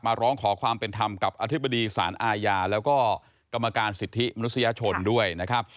ร้องขอความเป็นธรรมกับอธิบดีสารอาญาแล้วก็กรรมการสิทธิมนุษยชนด้วยนะครับ